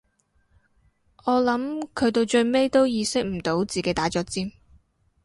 我諗佢到最尾都意識唔到自己打咗尖